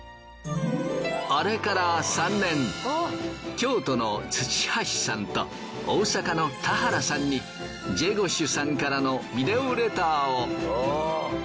京都の土橋さんと大阪の田原さんにジェゴシュさんからのビデオレターを。